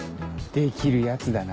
できるヤツだな。